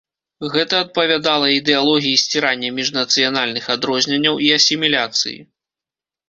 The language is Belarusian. Гэта адпавядала ідэалогіі сцірання міжнацыянальных адрозненняў і асіміляцыі.